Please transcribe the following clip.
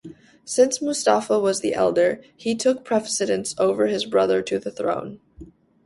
Since Mustafa was the elder, he took precedence over his brother to the throne.